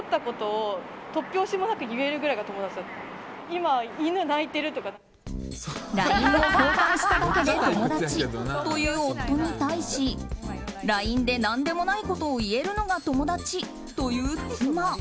ＬＩＮＥを交換しただけで友達という夫に対しＬＩＮＥで何でもないことを言えるのが友達という妻。